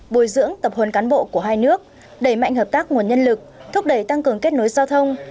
bồi dưỡng tập hồn cán bộ của hai nước đẩy mạnh hợp tác nguồn nhân lực thúc đẩy tăng cường kết nối giao thông